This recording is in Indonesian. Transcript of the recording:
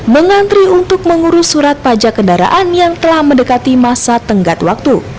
mengantri untuk mengurus surat pajak kendaraan yang telah mendekati masa tenggat waktu